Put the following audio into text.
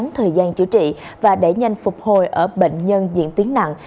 thời gian chữa trị và đẩy nhanh phục hồi ở bệnh nhân diễn tiến nặng